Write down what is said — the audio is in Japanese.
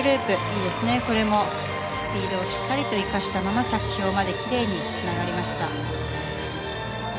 いいですね、これもスピードをしっかりと生かしたまま着氷まできれいにつながりました。